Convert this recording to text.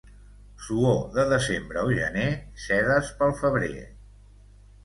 Suor de desembre o gener, sedes pel febrer.